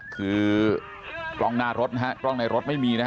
คือกล้องหน้ารถนะฮะกล้องในรถไม่มีนะฮะ